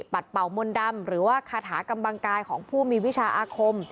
เป่ามนต์ดำหรือว่าคาถากำลังกายของผู้มีวิชาอาคม